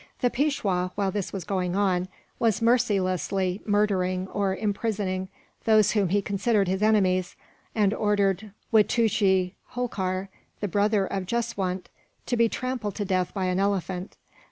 The Peishwa, while this was going on, was mercilessly murdering or imprisoning those whom he considered his enemies; and ordered Wittoojee Holkar, the brother of Jeswunt, to be trampled to death by an elephant.